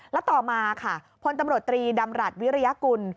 แล้วต่อมาค่ะพลตำรวจตรีดำรัฐวิริยกุล